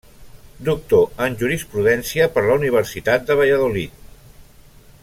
Doctor en Jurisprudència per la Universitat de Valladolid.